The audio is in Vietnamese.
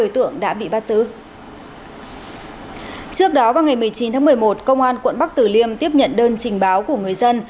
trước đó vào ngày một mươi chín tháng một mươi một công an quận bắc tử liêm tiếp nhận đơn trình báo của người dân